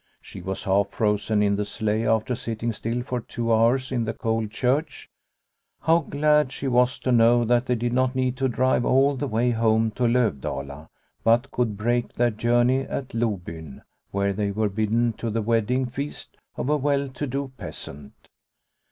She was half frozen in the sleigh after sitting still for two hours in the cold church. How glad she was to know that they did not need to drive all the way home to Lovdala, but could break their journey at Lobyn, where they were bidden to the wedding feast of a well to do peasant.